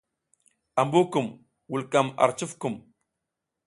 Ambu kum vulkam ar cufkum.